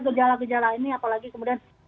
gejala gejala ini apalagi kemudian